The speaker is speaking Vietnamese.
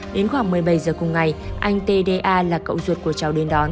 đến khoảng một mươi bảy giờ cùng ngày anh tda là cậu ruột của cháu đến đón